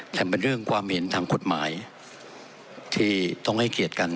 แต่เป็นเรื่องความเห็นทางกฎหมายที่ต้องให้เกียรติกัน